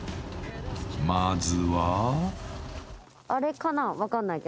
［まずは］